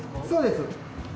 そうです。